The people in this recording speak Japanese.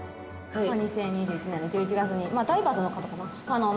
２０２１年１１月にダイバーさんの方かな？